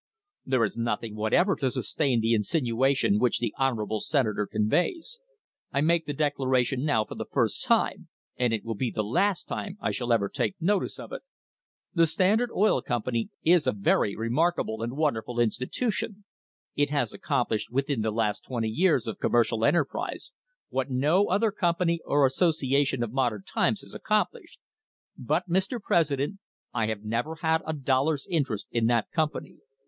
"There is nothing whatever to sustain the insinuation which the honourable Senator conveys. I make the declaration now for the first time, and it will be the last time I shall ever take notice of it. The Standard Oil Com pany is a very remarkable and wonderful institution. It has accomplished within the last twenty years of commercial en terprise what no other company or association of modern times * Congressional Globe, July, 1886. THE HISTORY OF THE STANDARD OIL COMPANY has accomplished, but, Mr. President, I never had a dollar's interest in that company.